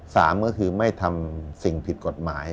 สามก็คือไม่ทำสิ่งผิดกฎหมาย